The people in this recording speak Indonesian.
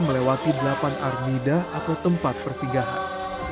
melewati delapan armida atau tempat persinggahan